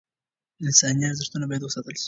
انساني ارزښتونه باید وساتل شي.